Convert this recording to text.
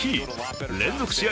連続試合